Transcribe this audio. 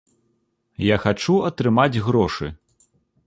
Я хачу атрымаць грошы.